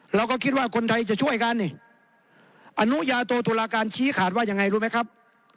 เราก็คิดว่าคนไทยจะช่วยกันนี่อนุญาโตตุลาการชี้ขาดว่ายังไงรู้ไหมครับ